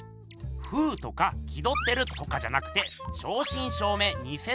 「風」とか「気どってる」とかじゃなくて正しん正めい